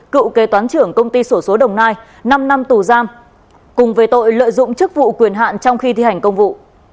cựu kế toán trưởng công ty sổ số đồng nai năm năm tù giam cùng về tội lợi dụng chức vụ quyền hạn trong khi thi hành công vụ